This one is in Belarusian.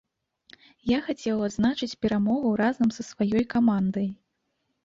Я хацеў адзначыць перамогу разам са сваёй камандай.